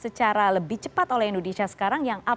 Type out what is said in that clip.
secara lebih cepat oleh indonesia sekarang yang apa